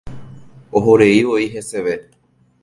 Ohoreivoi heseve.